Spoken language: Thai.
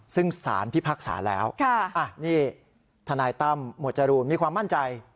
ซึ่งสารพิพากษาแล้วนี่ทนายตั้มหมวดจรูนมีความมั่นใจ